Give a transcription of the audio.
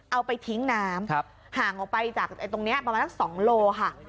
เอาไปทิ้งน้ำห่างออกไปจากตรงนี้ประมาณสัก๒โลค่ะ